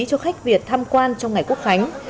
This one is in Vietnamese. cho khách việt tham quan trong ngày quốc khánh